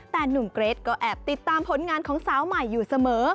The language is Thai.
แต่หนุ่มเกรทก็แอบติดตามผลงานของสาวใหม่อยู่เสมอ